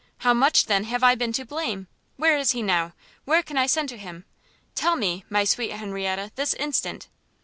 how much, then, have I been to blame? where is he now? where can I send to him? tell me, my sweet Henrietta, this instant!"